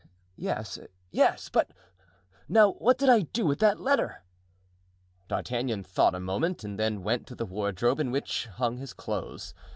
Yes, yes; but now what did I do with that letter?" D'Artagnan thought a moment and then went to the wardrobe in which hung his old clothes.